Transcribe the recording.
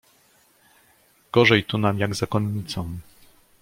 "gorzej tu nam jak zakonnicom."